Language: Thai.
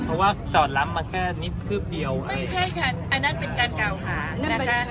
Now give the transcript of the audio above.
เพราะว่าจอดล้ำมาแค่นิดคืบเดียวไม่ใช่ค่ะอันนั้นเป็นการกล่าวหานะคะ